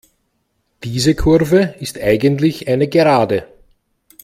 Diese Kurve ist eigentlich eine Gerade.